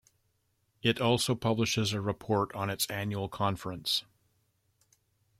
It also publishes a report on its annual conference.